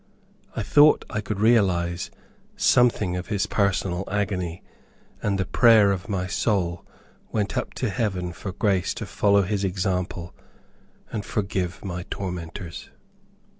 I thought I could realize something of his personal agony, and the prayer of my soul went up to heaven for grace to follow his example and forgive my tormentors.